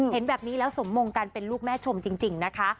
เห็นแบบนี้แล้วสมมงการเป็นลูกแม่ชมจริงนะคะ